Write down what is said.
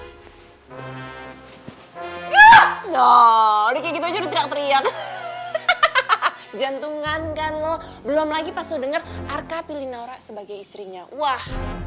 hmm udah kayak gitu aja udah teriak teriak jantungan kan lo belum lagi pas lo dengar arka pilih naura sebagai istrinya wah